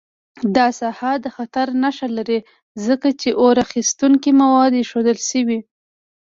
دا ساحه د خطر نښه لري، ځکه چې اور اخیستونکي مواد ایښودل شوي.